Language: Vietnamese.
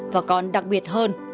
và còn đặc biệt hơn